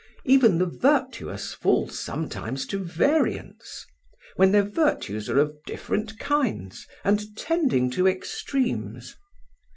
Even the virtuous fall sometimes to variance, when their virtues are of different kinds and tending to extremes.